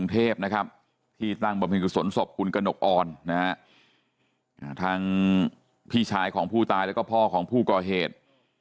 ทั้งพี่ชายของผู้ตายแล้วก็พ่อของผู้ก่อเหตุ